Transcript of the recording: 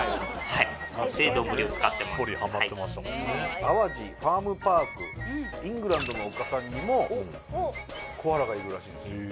はい淡路ファームパークイングランドの丘さんにもコアラがいるらしいんですよへ